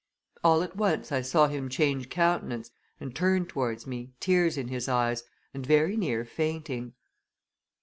All at once I saw him change countenance, and turn towards me, tears in his eyes, and very near fainting.